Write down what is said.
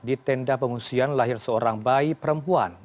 di tenda pengungsian lahir seorang bayi perempuan